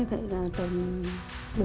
vậy là tầm bốn ngày rồi ạ